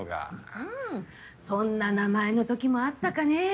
うんそんな名前の時もあったかねぇ。